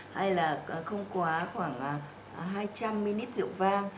hay là không quá khoảng hai trăm linh ml